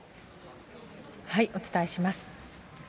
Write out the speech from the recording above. お伝えします。